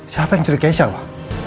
siapa yang culik keisha pak